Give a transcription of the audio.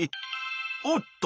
おっと！